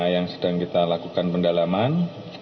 yang sedang kita lakukan pendalaman